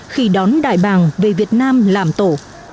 khi đón đại bàng về việt nam làm tổ